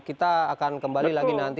kita akan kembali lagi nanti